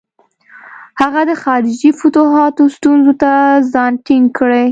هغه د خارجي فتوحاتو ستونزو ته ځان ټینګ کړي.